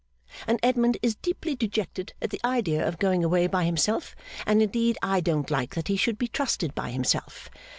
And Edmund is deeply dejected at the idea of going away by himself, and, indeed, I don't like that he should be trusted by himself.